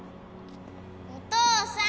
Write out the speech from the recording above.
お父さん